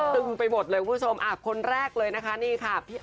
ไปหมดเลยคุณผู้ชมคนแรกเลยนะคะนี่ค่ะ